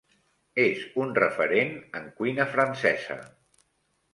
És un referent en cuina francesa.